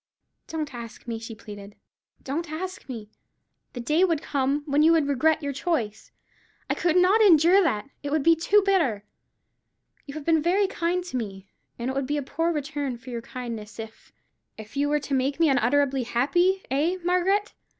"Don't ask me," she pleaded; "don't ask me. The day would come when you would regret your choice. I could not endure that. It would be too bitter. You have been very kind to me; and it would be a poor return for your kindness, if——" "If you were to make me unutterably happy, eh, Margaret?